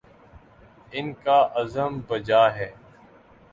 ان کا عزم بجا ہے۔